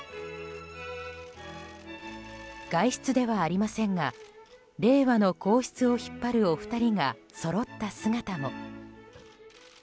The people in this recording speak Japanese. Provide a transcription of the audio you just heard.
外出ではありませんが令和の皇室を引っ張るお二人がそろった姿も。